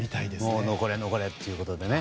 残れ、残れということでね。